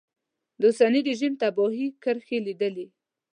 د اوسني رژیم تباهي کرښې لیدلې.